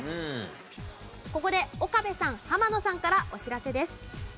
ここで岡部さん浜野さんからお知らせです。